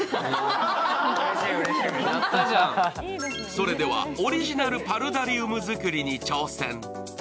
それではオリジナルパルダリウム作りに挑戦。